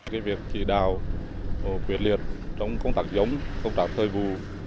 cái việc chỉ đào quyết liệt trong công tác giống công tác thời vụ